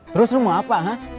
terus lo mau apa